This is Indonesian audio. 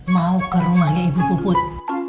mau ke rumahnya ibu puput